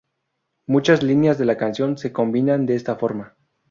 Muchas líneas de la canción se combinan de esta forma.